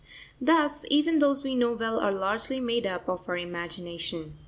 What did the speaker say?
Thus, even those we know well are largely made up of our imagination.